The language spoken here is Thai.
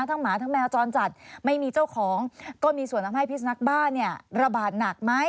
หมาทั้งแมวจรจัดไม่มีเจ้าของก็มีส่วนทำให้พิสุนักบ้านเนี่ยระบาดหนักไหม